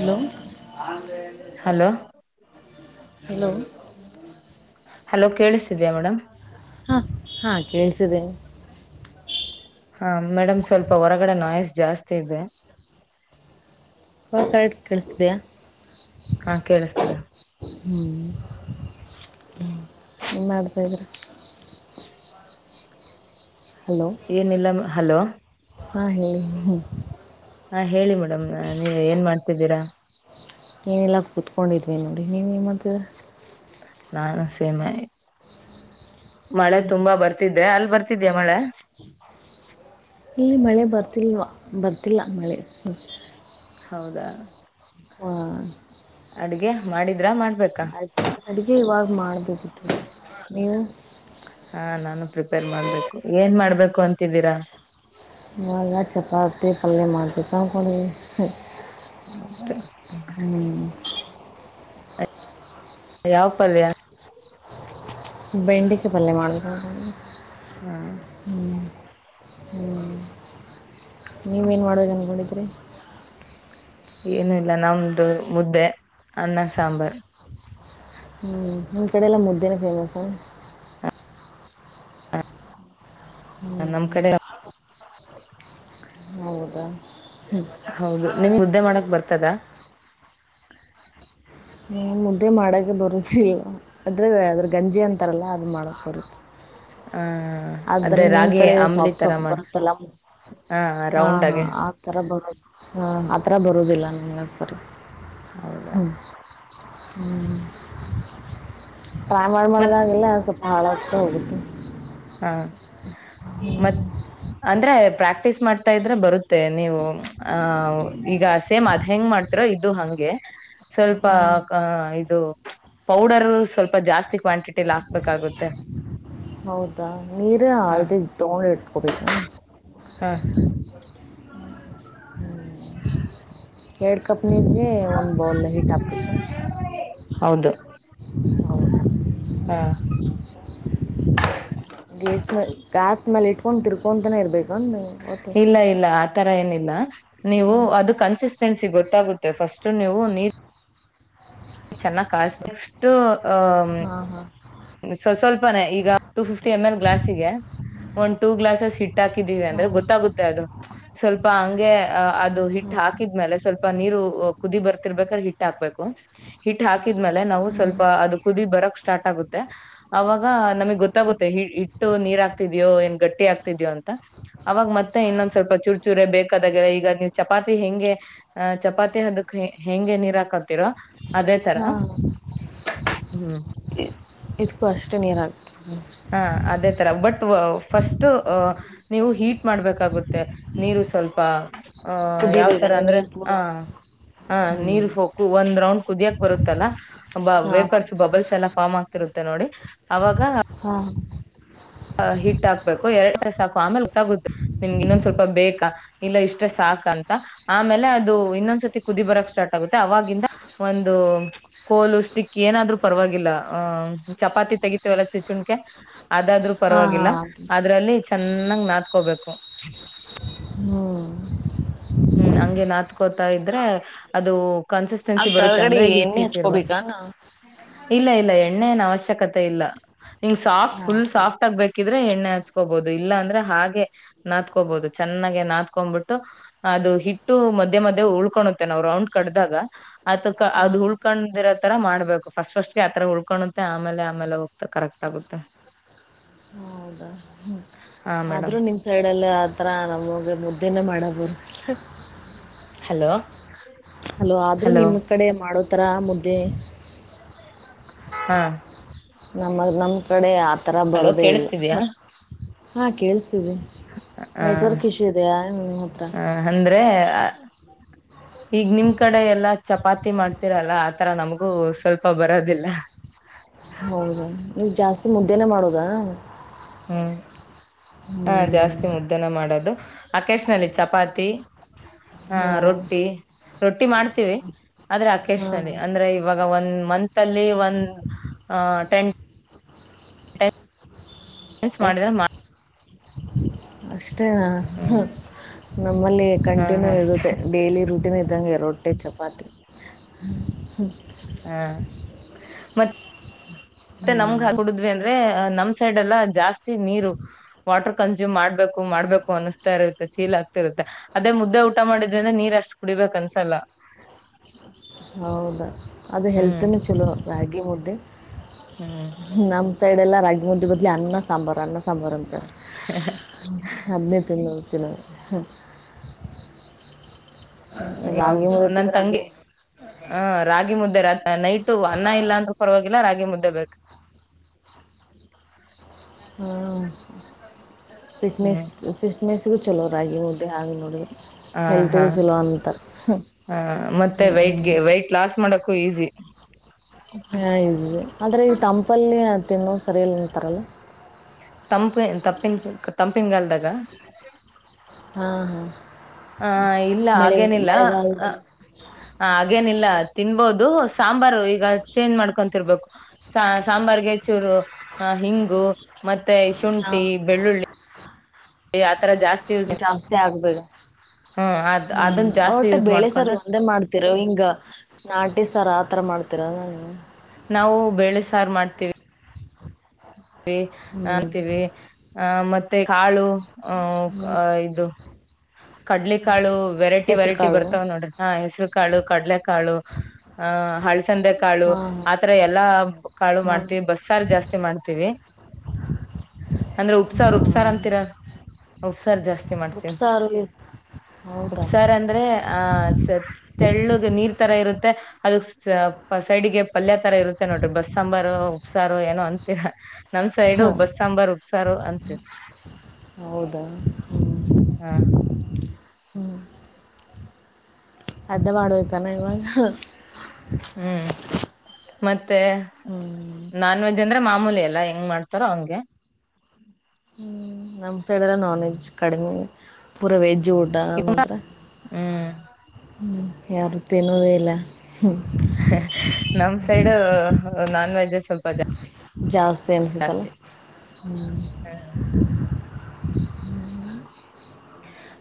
Hello hello hello hello ಕೇಳಿಸಿದೀಯ madam ಹಾ ಕೇಳ್ಸಿದೆೇನೆ ಹಾ ಮೇಡಮ್ ಸ್ವಲ್ಪ ಹೊರಗಡೆ ನಾಯ್ಸ್ ಜಾಸ್ತಿ ಇದೆ ಹೊ ಕಡ್ ಕಳಿಸಿದೆಯಾ ಹಾ ಕೇಳಿಸತಿದೆ ಹ್ಞಞ ಇ ಮಾಡ್ತಾಿದ್ರ ಏನಿಲ್ಲ ಹಲೋ ಹ ಹಾ ಹೇಳಿ ಮೇಡಮ್ ನೀವ ಏನ್ ಮಾಡ್ತಿದ್ದೀರಾ ಏನಿಲ್ಲ ಕೂತ್ಕೊಂಡಿದ್ವಿ ನೋಡಿ ನೀವೇನು ಮಾಡತರ ನಾನು ಸೇಮ ಮಳೆ ತುಂಬಾ ಬರ್ತ ರ್ತೆ ಅಲ್ಲಿ ಬರ್ತಿದ್ದ್ಯಾ ಮಳೆ ಇಲ್ಲಿ ಮಳೆ ಬರ್ತಿಲ್ವಾ ಬರ್ತಿಲ್ಲ ಮಳೆ ಹೌದಾ ಹ್ಮ ಅಡ್ಗೆ ಮಾಡಿದ್ರ ಮಾಡ್ ಅ ಅಡ್ಗೆ ಇವಾಗ್ ಮಾಡ್ಬೇಕಿತ್ತು ಈ ಹಾ ನಾನು ಪ್ರಿಪೇರ್ ಮಾಡ್ಬೇಕು ಏನ್ ಮಾಡ್ಬೇಕು ಅಂತಿದ್ದೀರಾ ಮಲ್ಲ ಚಪಾತಿ ಪಲ್ಯೆ ಮಾಡ್ತ ತ ಅಂದಕೊಂಡವಿ ಹ್ಮ್ ಯಾವ ಪಲ್ಯ ಬೆಂಡಿಕೆ ಪಲ್ಯ ಮಾಡ ಹಾ ಹ್ಮ್ ಹ್ಮ್ ನೀವೇನ್ ಮಾಡ್ಬೇಕ ಅನ್ಕೊಂಡಿದ್ದ ತರ ಏನುೂ ಇಲ್ಲ ನಮ್ದು ಮುದ್ದೆ ಅನ್ನ ಸಾಂಬಾರ್ ಹ್ಮ್ ಇ ಕಡೆ ಎಲ್ಲ ಮುದ್ದೇನ ೇಮಸ ನಮ್ ಕಡೆ ಹ್ಮ್ ಹೌದ ಹೌದು ನಿಮ ಹುದ್ದೆ ಮಾಡಕ್ ಬರ್ತದ ಹ ಮುದ್ದೆ ಮಾಡಕ ಬರುದಲ್ ಅರೆ ಅದ್ರ ಗಂಜಿ ಅಂತಾರಲ್ಲ ಅದದು ಮಾಡೋಕ್ಕೆ ಬರುತ್ತೆ ಹ ಆದರೆ ಅದೇ ನಿಮ್ಮ ರಾಗಿ ಕಡೆ ಅಂಬಲಿ ಸಾಫ್ಟ್ ತರ ಸಾಫ್ಟ್ ಮಾಡ ಬರುತ್ತಲ್ಲ ಹ ರೌಂಡ ಆಗ ಹ ಆತ್ರ ಬರುದಿಲ್ಲ ನಿಮ್ಗೆಸರಿ ಹೌದಾ ಹ್ಮ್ ಹ್ಮ್ ಟ್ರೈ ಮತ್ ಮಾಡೋದಾಗಿಲ್ಲ ಸ್ವಲ್ಪ ಹಾಳಾಗ್ತಾ ಹೋಗುತ್ತೆ ಹಾ ಮ ಅಂದ್ರೆ ಪ್ರಾಕ್ಟೀಸ್ ಮಾಡ್ತಾ ಇದ್ರೆ ಬರುತ್ತೆ ನೀವು ಆ ಈಗ ಸೇಮ ಅದ್ ಹೆಂಗ್ ಮಾಡ್ತ ಇದು ಹಂಗೆ ಸ್ವಲ್ಪ ಹಾಂ ಇದು ಪೌಡರ್ ಸ್ವಲ್ಪ ಜಾಸ್ತಿ ಕ್ವಾಂಟಿಟಿಲಿ ಹಾಕ್ಬೇಕಾಗುತ್ತೆ ಹೌದಾ ನೀರ ಹ ಆಳದ ತಗೊಂಡಿ ಇಟ್ಕೊಬೇಕ ಹ [inaudible] ಹ್ಮ ಎರಡು ಕಪ್ ನೀರಿಗೆ ಒಂದು ಬೌಲ್ ಹೀಟ್ ಆಗ್ಬೇಕತ್ತು ಹಾ ಗೇಸ್ ಮ ಗಾಸ್ ಮೇಲೆ ಇಟ್ಕೊಂಡು ತಿರ್ಕೊಂತಾನೇ ಇರ್ಬೇಕಂದ ಗೊತ್ತು ನ ನೀವು ಅದು ಕನ್ಸಿಸ ನ್ಸ ಗೊತ್ತಾಗುತ್ತೆ ಫಸ್ಟ್ ನೀವು ನೀ ಚೆನ್ನಾಗ್ ಕಿಸ್ದಷ್ಟು ಹ್ಮ ಹಾಂ ಸ್ವಲ್ಪನೆೇ ಈಗ ಟೂ ಫಿಫ್ಟಿ ಎಮ್ ಎಲ್ ಗ್ಲಾಸ್ಿಗೆ ಒಂದು್ ಟೂ ಗ್ಲಾಸಸ್ ಹಿ ಹಾಕಿದ್ದೀವಿ ಅಂದ್ರೆ ಗೊತ್ತಾಗುತ್ತೆ ಅದು ಸ್ವಲ್ಪ ಪ್ಪ ಅಂಗ ಅ ಅದು ಹಿಟ್ ಹಾಂ ಹಾಕಿದ್ಮೇಲೆ ಸ್ವಲ್ಪ ನೀರು ಕುದಿ ಬರ್ತಿರ್ಬೇಕಾದ್ರೆ ಹಿಟ್ ಹಾಕ್ಬೇಕು ಹಿಟ್ ಹಾಕ್ ಹಾಕಿದ್ಮೇಲೆ ನಾವು ಸ್ವಲ್ಪ ಅದು ಕುದಿ ಬರಕ್ ಸ್ಟ್ ಆಗುದು ಅವಾಗ ನಮಗ್ ಗೊತ್ತಾಗುತ್ತೆ ಹಿಟ್ಟು ನೀರ್ಾಗ್ತಿದ್ಯೋ ಏನ್ ಗಟ್ಟಿ ಆಗ್ತಿದ್ಯೋ ಅಂತ ಅವಾಗ ಮತ್ತೆ ಇನ್ನೊಂದ್ ಸ್ವಲ್ಪ ಚೂರುಚೂರ ಬೇಕಾದಾಗೆಲ್ಲ ಈಗ ನೀವ್ ಚಪಾತಿ ಹೆಂಗೆ ಆ್ ಚಪಾತಿ ಹದಕ್ ಹೆಂಗೆ ನೀರ್ ಹಾಕತೀರೋ ಅದೇ ತರ ಹಾಂ ಹ್ಮ್ ಇದ್ಕೂ ಅಷ್ಟೇ ನೀರು ಹಾಕ್ಬೇಕು ಹಾ ಅದೇ ತರ ಬಟ್ ಫಸ್ಟ್ ಅ ನೀವು ಹೀಟ್ ಮಾಡ್ಬೇಕಾಗುತ್ತೆ ನೀರು ಸ್ವಲ್ಪ ಹ ಯಾವ ತರ ಕುದಿಬೇಕನ ಅಂದ್ರೆ ನೀರ್ ಪೂರ ಹ ಹ ಹ್ಮ್ ನೀರ್ ಹಕ್ು ಒಂದ್ ರೌಂಡ್ ಕುದಿಯಕ್ ಬರುತ್ತಲ್ಲ ಬ ಹಾ ವೇಪರ್ಸ್ ಬಬಲ್ಸ್ ಎಲ್ಲ ಫ್ಮ್ ಆಗ್ತ ಇರುತ್ತೆ ನೋಡಿ ಅವಾಗ ಹಾ ಹಿಟ್ ಹಾಕ್ಬೇಕು ಎರಡು ಸಾಕು ಆಮೇಲೆ ಗೊತ್ತಾಗುತ್ತೆ ನಿಮ್ಗೆ ಇನ್ನೊಂದ್ ಸ್ವಲ್ಪ ಬೇಕಾ ಇಲ್ಲ ಇಷ್ಟೇ ಸಾಕ ಅಂತ ಆಮೇಲೆ ಅದು ಇನ್ನೊಂದ್ಸರ್ತಿ ಕುದಿ ಬರಕ್ ಸ್ಟಾರ್ಟ್ ಆಗುತ್ತೆ ಅವವಾಗಿಂದ ಒಂದು ಕೋಲು ಸ್ಟಿಕ್ ಏನಾದ್ರು ಪರವಾಗಿಲ್ಲ ಆ ಚಪಾತಿ ತೆಗತೇವಲ್ಲ ಚುಚುಣ್ಕ ಆದಾಗ ಹಾ ಹಾ ಪರವಾಗಿಲ್ಲ ಅದು ಅದ್ರಲ್ಲಿ ಚೆನ್ನಾಗ್ ನಾತ್ಕೋಬೇಕು ಹ್ಮ [inaudible] ಹ್ಮ್ ಹಂಗೆ ನಾತ್ಕೋತಾ ಇದ್ರೆ ಅದು ಕನ್ಸಿಸ್ಟೆನ್ಸಿ ಬರುತ್ತೆ ಆರಗಡೆ ಅಂದ್ರೆ ಹಿಟ್ ಎಣ್ಣೆ ಹಿಟ್ ಇರ್ಬ ಹಚ್ಕೋಬೇಕ ನ. ಇಲ್ಲ ಇಲ್ಲ ಎಣ್ಣೆಯನ ಅವಶ್ಯಕತೆ ಇಲ್ಲ ಹಿಂಗ ಸಾಫ್ ಫುಲ್ ಅದು ಸಾಫ್ಟ್ ಆಗ್ಬೇಕಿದ್ರೆ ಎಣ್ಣೆ ಆ. ನಚ್ಕೋಬಹುದು ಇಲ್ಲ ಅಂದ್ರೆ ಹಾಗೆ ನಾತ್ಕೋಬೋದು ಚೆನ್ನಾಗೆ ನಾತ್ಕೊ್ಬಿಟ್ಟು ಅದು ಹಿಟ್ಟು ಮಧ್ಯೆ ಮದೆ ಉಳ್ಕಳುತ್ತೆ ನಾವ್ ರೌಂಡ್ ಕಡ್ದಾಗ ಅತ್ ಹಾ ಅದು ಉಳ್ಕೊಂಡಿರೋ ತರ ಮಾಡ್ಬೇಕು ಫಸ್ಟ್ ಫಸ್ಟ್ಗೆ ಆತರ ಉಳ್ಕಳುತ್ತೆ ಆಮೇಲೆ ಆಮೇಲೆ ಹೋಗ್ತಾ ಕರೆಕ್ಟ್ ಆಗುತ್ತೆ. ಹೌದಾ ಹ್ಮ್ ಹಾ ಮೇಡಮ್ ಆದ್ರೂ ನಿಮ್ ಸೈಡ್ ಅಲ್ಲಿ ಆತರ ನಮ್ಮ. ಅ ಮುದ್ದೆನ ಮಾಡಬೋದು ಹಲೋ ಅಲೋ ಆದ್ರೂ ಹಲೋ ನಿಮ್ ಕಡೆ ಮಾಡೋದು. ಯತ್ತರಾ ಮುದ್ದೆ [inaudible] ಹಾ. ನಮ್ಮ ನಮ್ ಕಡೆ ಆತರ ಹಲೋ ಬರುದೇ ಇಲ್ಲ. ಕೇಳಿಸ್ತಿದ್ಯಾ ಹಾ ಕೇಳ್ಸ ತಿದೆ ಹ ನೆಟ್ವರ್ಕ್ ಇಶ್ಯೂ ಇದೆಯಾ ನಿಮ್ಮ ಹತ್ರ. ಹ ಅಂದ್ರೆ ಈಗ ನಿಮ್ ಕಡೆ ಎಲ್ಲಾ ಚಪಾತಿ ಮಾಡ್ತರಲ್ಲ ಆತರ ನಮ್ಗೂ ಸ್ವಲ್ಪ ಬರದಿಲ್ಲ ಹೌದ ನೀ ಜಾಸ್ತಿ ಮುದ್ದೆನೆ ಮಾಡೋದಾ ಹ್ಮ್ ಹಾ ಹ್ಮ್ ಜಾಸ್ತಿ ಮುದ್ದೆ ಮಾಡೋದು ಅಕೇಶ ನಲ್ಲಿ ಚಪಾತಿ. ಹ ಹಾ ರೊಟ್ಟಿ ರೊಟ್ಟಿ ಮಾಡ್ತೀವಿ ಆದ್ರೆ ಅಕೇಶನಲ್ಲಿ ಹಾ ಅಂದ್ರೆ ಇವಾಗ ಒಂದ್ ಮಂತ್ ತಲ್ಲಿ ಒಂದು ಅ ಟೆನ್ ಮಿಸ್ ಮಾಡಿದ್ರ ಮಾ ಅಷ್ಟೇನಾ ಹ್ಮ್ ನಮ್ಮಲ್ಲಿ ಹಾ ಕಂಟಿನ್ಯೂ ಅಷ್ಟೇ ಇರುತ್ತೆ ಡೈಲಿ ರುಟೀನ್ ಇದ್ದಂಗೆೆ ರೊಟ್ಟಿ ಚಪಾತಿ. ಹಾ ಮತ್ತ ಮತ್ತೆ ನಮ್ಗ್ ಹಾ ಕುಡುದ್ವಿ ಅಂದ್ರೆ ನಮ್ ಸೈಡ್ ಎಲ್ಲ ಜಾಸ್ತಿ ನೀರು ವಾಟರ್ ಕನ್ಸ್ಯೂಮ್ ಮಾಡ್ಬೇಕು ಮಾಡ್ಬೇಕು ಅನಸ್ತಾ ಇರುತ್ತೆ ಫೀಲ್ ಆಗ್ತಿ ಇರುತ್ತೆ ಅದೇ ಮುದ್ದೆ ಊಟ ಮಾಡಿದ್ರಿಂದ್ರ ನೀರ್ ಅಷ್ಟು ಕುಡಿಬೇಕ ಅನ್ಸಲ್ಲ ಹೌದಾ ಅದು ಹ್ಮ್ ಹೆಲ್ತ್ನು ಚಲೋ ರಾಗಿ ಈ ಮುದ್ದೆ ಹ್ಮ್ [inaudible] ನಮ್ಮ ಸೈಡ್ ಎಲ್ಲ ರಾಗಿ ಮುದಿ ಬದಲಿ ಅನ್ನ ಸಾಂಬಾರ್ ಅನ್ನ ಸಾಂಬಾರಂತೆ ಅದನ್ನೇ ತಿನ್ನೋದು. ಜನ [unintelligible] ನನ್ ತಿಂದ್ರೆ ತಂಗಿ ಅದೇ ಹ ರಾಗಿ ಮುದ್ದೆ ರಾತ್ ನೈಟು ಅನ್ನ ಇಲ್ಲ ಅಂತ ಪರವಾಗಿಲ್ಲ ರಾಗಿ ಮುದ್ದ ಬ [unintelligible] ಹ್ಮ ಮೆಸ್ಸಿಗೂ ಚಲೋ ರಾಗಿ ಮುದ್ದೆ ಹಾಗೆ ನೋಡಿದ ಹ ಹೆಲ್ತಿಗೂ ಚಲೋ ಅಂತ ಹಾ ಮತ್ತೆ ವೈಟ್ಗೆ ವೈಟ್ ಲಾಸ್ ಮಾಡಕ್ ಈಸಿ ಹದೆ ಆದ್ರೆ ಈ ಟಂಪಲ್ ಇನೋ ಸರಿಯಲ್ಲ ಅಂತಾರಲ್ಲ ತಂಪ ತಪ್ಪಿನ ತಂಪಿನಗಾಲ್ದಾಗ ಹಾ ಹಾ ಹ ಇಲ್ಲ ಹಾಗೇನಿಲ್ಲ ಮಳೆಗಾಲದಲ್ಲಿ ಹಾಗೇನಿಲ್ಲ ಇಲ್ಲ ತಿನ್ಬೋದು ಸಾಂಬಾರು ಈಗ ಚೇಂಜ್ ಮಾಡ್ಕೊಂತರ್ಬೇಕು ಸಾಂಬಾರ್ಗೆ ಚೂರು ಹಿಂಗು ಮ ಹಾ ಶುಂಠಿ ಬೆಳ್ಳುಳ್ಳಿ ಯತ್ರ ಜಾಸ್ತಿ ಯೂಸ್ ಜಾಸ್ತಿ ಆಗ್ಬೇಕೇ ಹ್ಮ್ ಅದ್ ಹ್ಮ್ ಅದನ್ನ ಜಾಸ್ತಿ ಹೊಟ್ಟ ಯೂಸ್ ಬೇಳೆ ಸರ್ ಮಾಡ್ಕೊಂಡ್ರೆ ಒಂದೇ ಮಾಡ್ತಿರೋ ಹಿಂಗ ನಾಟಿ ಸಾರ್ ಆತರ ಮಾಡ್ತ ಪತ್ರ ನಾವು ಬೇಳೆ ಸಾರು ಮಾಡ್ತೀವಿ ಹ್ಮ್ ಆಂತೀವಿ ಆ ಮತ್ತೆ ಮತ್ತೆ ಕಾಳು ಹ್ಮ್ ಹ ಇದು ಕಡ್ಲೆ ಕಾಳು ವೆರೈಟಿ ಹೆಸ್ರು ವೆರೈಟಿ ಕಾಳು ಬರ್ತಾವ ನೋಡ್ರಿ ಹಾ ಹೆಸರು ಕಾಳು ಕಡ್ಲೆ ಕಾಳು ಆ ಹಳ್ಸಂದೆ ಕಾಳು ಹಾಂ ಆತರ ಎಲ್ಲಾ ಕಾಳು ಹಾಂ ಹಾಂ ಮಾಡ್ತೀವಿ ಬಸ್ಸಾರ್ ಜಾಸ್ತಿ ಮಾಡ್ತ ಅಂದ್ರೆ ಉಪ್ಸಾರ್ ಉಪ್ಸಾರ್ ಅಂತೀರ ಉಪ್ಸಾರ್ ಜಾಸ್ತಿ ಮಾಡ್ತೀವಿ ಉಪ್ಸಾರು ಇ- ಹೌದಾ ಉಪ್ಸಾರ ಅಂದ್ರೆ ಆ ಸ ತೆಳ್ಳುಗ್ ನೀರ್ ತರ ಇರುತ್ತೆ ಅದ ಸೈಡ್ ಗೆ ಪಲ್ಯ ತರ ಇರುತ್ತೆ ನೋಡ್ರಿ ಬಸ್ ಸಾಂಬಾರು ಉಪ್ಸಾರು ಏನೋ ಅಂತ [unintelligible] ನಮ್ ಸೈಡು ಬಸ್ ಸಾಂಬಾರ್ ಉಪ್ಸಾರು ಅಂತ ಹೌದಾ ಹ ಹ್ಮ್ ಅ್ದ ಮಾಡಬೇಕ ನ ಇವಾಗ ಹ್ಮ್ ಮತ್ತೆ ಮತ್ತೆ ನಾನ್ ವೆಜ್ ಅಂದ್ರೆ ಮಾಮೂಲಿ ಎಲ್ಲ ಎಲ್ಲ ಹೆಂಗ್ ಮಾಡ್ತಾರ ಹಂಗೆ ಹ್ಮ್ ನಮಂತಲ್ಲ ನಾನ್ ವೆಜ್ ಕಡಿಮೆ ಪೂರಾ ವೆಜ್ ಜೋಡ ಮಾತ್ರ ಹ್ಮ್ ಹ್ಞ ಯಾರ ತಿನ್ನೋದೇ ಇಲ್ಲ ನಮ ಸೈಡ್ ನಾನ್ ವೆಜ್ಜ್ ಸ್ವಲ್ಪ ಜಾಸ್ತಿ ಅನಿಸುತ್ತಲ್ಲ ಜಾಸ್ತಿ [inaudible]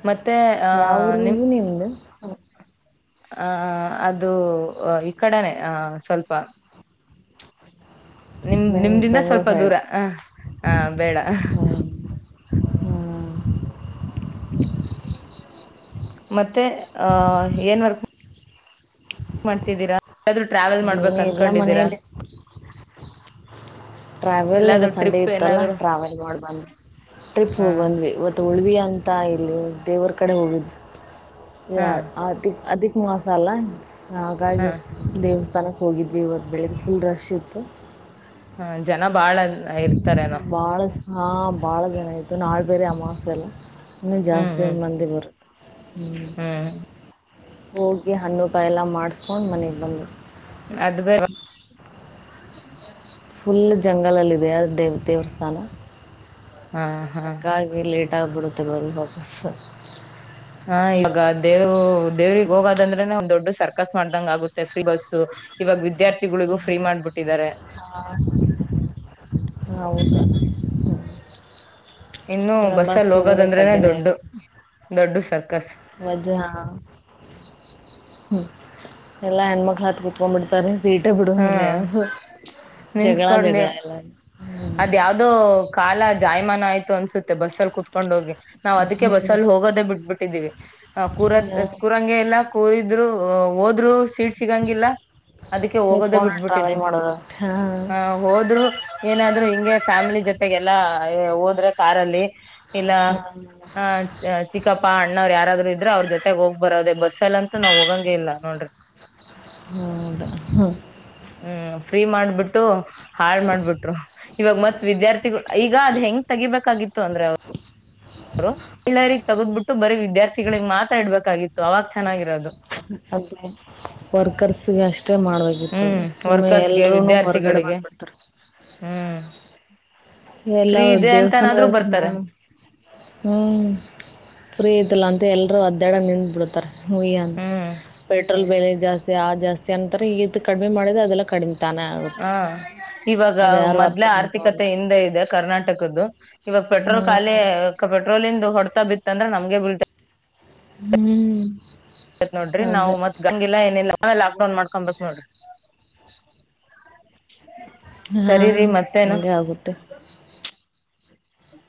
ಮತ್ತೆ ಆಹ ನಿಮ ಹಾ ಆ ಅದು ಈ ಕಡೆನೆ ಆ ಸ್ವಲ್ಪ ನಿಮ ಬೆಂಗ್ ನಿಮ್ದಿಂದ ಬೆಂಗಳೂರು ಸ್ವಲ್ಪ ಸೈಡ ದೂರ ಹ ಹ ಬೇಡ ಹಾ ಮತ್ತೆ ಅ ಏನ್ ವರ್ಕ್ ಮಾಡ್ತಿದ್ದೀರಾ ಯಾದರು ಟ್ರಾವೆಲ್ ಮಾಡ್ಬೇಕ ಏನೇ ಇಲ್ಲ ಅನ್ಕೊಂಡಿದೀರಾ ಮನೆಯಲ್ಲಿ ಟ್ರಾವೆಲ್ ಇವ ಸಂಡೇ ಇತ್ತಲ್ಲ ಟ್ರಾವೆಲ್ ಮಾಡಬಂದ್ ಟ್ರಿಪ್ ಹ ಹೋಗ್ ಬಂದ್ವಿ ಇವತ್ತು ಉಳ್ವಿ ಅಂತ ಇಲ್ಲಿ ದೇವರ ಕಡೆ ಹೋಗಿದ್ವಿ ಹ ಅ ಅಿ ಮ ಮಸಾಲಾ ಹಾ ಹಾಗ ಹ ದವು ಸ್ಥನಕ್ಕೆ ಹೋಗಿದ್ವಿ ಇವತ್ತು ಬೆಳಿಗ್ಗೆ ಫುಲ್ ರಶ್ ಇತ್ತು ಹ್ಮ ಜನ ಬಾಳ ಇರ್ತಾರನೋ ಹಾ ಬಾಳ ಜನ ಆಯ್ತು ನಾಳ ಬೇರೆ ಅಮಾವಾಸ್ಯೆ ಆಲ ಇ ಹ್ಮ್ ಜಾಸ್ತಿ ಹ್ಮ್ ಮಂದಿ ಬರುತ್ತೆ ಹ್ಮ್ ಹೋಗಿ ಹಣ್ಣು ಕಾಯಿ ಎಲ್ಲಾ ಮಾಡಸ್ಕೊಂಡ್ ಮನೆಗೆ ಬಂದು ಅದು ಬೇರೆ ಹ ಫುಲ್ ಜಂಗಲಲ್ಲಿದೆ ಅ ದೇವ ದೇವ್ರಸ್ಥಾನ ಹಾ ಹಾ ಹಕೇ ಗಟಾಗಬರುತ ಬಂದು ಬಪಸ್ ಹಾ ಇವಾಗ ದೇವ್ ದೇವ್ರಿಗೆ ಹೋಗದಂದ್ರೆನೆ ಒಂದ್ ದೊಡ್ಡ ಸರ್ಕಸ್ ಮಾಡ್ದಂಗ ಆಗುತ್ತೆ ಫ್ರೀ ಬಸ್ಸ ಇವಾಗ ವಿದ್ಯಾರ್ಥಿಗಳಿಗೂ ಫ್ರೀ ಮಾಡ್ಬಿಟ್ಟಿದ್ದಾರೆ ಹ ಹೌದು ಇನ್ನು ಈಗ ಬಸ್ ಬಸ್ಸಲ್ಲಿ ಸಿಗೋದು ಹೋಗೋದಂದ್ರೆನೆ ಕಠಿಣ ದೊಡ್ಡ ದೊಡ್ಡ ಸರ್ಕಸ್ ಹ್ಮ್ ಎಲ್ಲಾ ಹೆಣ್ಮಕ್ಳ ಹತ್ ಕುಪ ಮುತಾರಾರೆ ಸೀಟ್ ಹ್ಮ ಜಗಳ ನಿಂತ್ಕೊಂಡೆ ಜಗಳ ಎಲ್ಲ ಅದ ಯಾವ್ದೋ ಕಾಲ ಜಾಯಮಾನ ಆಯ್ತು ಅನ್ಸ ಸುತ್ತ ಬಸ್ ಅ ಕೂತ್ಕೊಂಡು ಹೋಗಿ ನಾವ್ ಅದಕ್ಕೆ ಹ್ಞೂ, ಬಸ್ಸಲ್ಲಿ ಹೋಗೋದೇ ಬಿಟ್ಬಿಟ್ಟಿದ್ದೀವಿ ಕೂರದ ಕೂರಂಗೆ ಎಲ್ಲಾ ಕೂರಿದ್ರು ಹ ಹೋದ್ರು ಸೀಡ್ ಸಿಗಂಗಿಲ್ಲ ಅದಕ್ಕೆ ಹೋಗೋದ ನಿಂತ್ಕೊಂಡು ಬಿಟ್ಬಿಟ್ಟಿದೆ ಟ್ರಾವೆಲ್ ಮಾಡೋದು ಹಾಂ ಹ ಹೋದ್ರು ಏನಾದ್ರು ಹ ಫ್ಯಾಮಿಲಿ ಜೊತೆಗೆಲ್ಲಾ ಹೋದ್ರೆ ಕಾರಲ್ಲಿ ಇಲ್ಲ ಹ ಚ ಪ್ಪ ಅ್ಣ್ ಯಾರಾದ್ರರು ಇದ್ರರು ಅವ್ರ ಜೊತೆಗ್ ಹೋಗ್ ಬರೋದ ಬಸ್ ಸಲ ಅಂತ ನಾವ್ ಹೋಗಂಗಗೆ ಇಲ್ಲ ನೋಡ್ರಿ ಹ್ಮ್ ಹ್ಮ ಫ್ರೀ ಮಾಡ್ಬಿಟ್ಟು ಹಾಳ್ ಮಾಡ್ಬಿಟ್ರು ಇವಾಗ ಮತ್ ವಿದ್ಯಾರ್ಥಿಗಳು ಈಗ ಅದ್ ಹೆಂಗ್ ತೆಗಿಬೇಕಾಗಿತ್ತು ಅಂದ್ರೆ ಳ್ಳ ತಗದ್ಬಿಟ್ಟು ಬರೀ ವಿದ್ಯಾರ್ಥಿಗಳಿಗೆ ಮಾತಾಡ್ಬೇಕಾಗಿತ್ತು ಅವಾಗ ಚೆನ್ನಾಗಿರೋದು ಅದ ವರ್ಕರ್ಸ್ಗೆ ಅಷ್ಟೇ ಅಷ್ಟೆ ಮಾಡ್ಬೇಕಾಗಿತ್ತು ಹ್ಮ್ ಸುಮ್ಮನೆ ವರ್ಕರ್ಸ್ಗೆ ಎಲ್ರುೂನು ಹೊರ್ಗಡೆ ವಿದ್ಯಾರ್ಥಿಗಳಿಗೆ ಬಂದ್ಬಿಡ್ತಾರ ಹ್ಮ್ ಎಲ್ಲಾ ಫ್ರೀ ಇದೆ ಉದ್ಯೇವಸ್ಥಾನದ ಅಂತನಾದ್ರೂ ಬರ್ತಾರೆ ನಾನು ಹ್ಮ್ ುರಿ ಐತಲ್ಲ ಅಂತ ಎಲ್ಲರು ಅದ್ಡ ನಿಂದ್ ಬಿಡತಾರೆ ಹಯಂತ ಹ್ಮ್ ಪೆಟ್ರೋಲ್ ಬೆಲೆ ಜಾಸ್ತಿ ಆ ಜಾಸ್ತಿ ಅಂತಾರೆ ಈಗ ಕಡಿಮೆ ಮಾಡಿದೆ ಅದೆಲ್ಲ ಕಡಿಮೆ ತಾನೇ ಆಗುತ್ತೆ ಹಾ ಇವಾಗ ಅದು ಯಾರು ಮೊದ್ಲ ಅರ್ಥ ಮಾಡ್ಕೋವಲ್ಲ ಆರ್ಥಿಕತೆ ಇದೆ ಕರ್ನಾಟಕದ್ದ ಇವಾಗ ಪೆಟ್ರೋಲ್ ಖಾಲಿ ಹ್ಞೂ ಪೆಟ್ರೋಲ್ ಹೊಡ್ತಾ ಬಿತ್ತಂದ್ರೆ ನಮ್ಗೆ ಬಲ್ ಹ್ಮ್ ಆತ್ ನೋಡ್ರ ನಾವ್ತ್ ಗಂಗಗೆಿಲ್ಲಾ ಏನಿಲ್ಲ ಆಮೇ ಲಾಕ್ ಡೌನ್ ಮಾಡ್ಕೊಂಬತ್ ಹೇಳ್ರಿ ಹಾ ಎಗೆ ಅಗುತ್ತೆ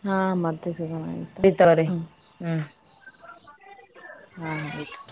ಹಾ ಮತ್ತೆ ಸಿಗೋಣ ಆಯಿತಾ ಈತರ ರೀ ಹ್ಞೂ ಹ್ಮ್ ಹಾಂ ಆಯಿತು